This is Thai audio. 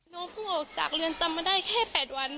น้องเพิ่งออกจากเรือนจำมาได้แค่๘วัน